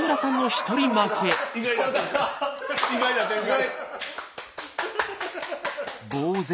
意外な展開！